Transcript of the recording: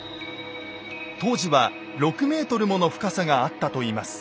当時は６ｍもの深さがあったといいます。